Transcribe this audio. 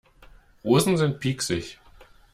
Rosen sind pieksig.